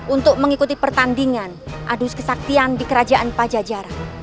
untuk mengikuti pertandingan adus kesaktian di kerajaan pajajaran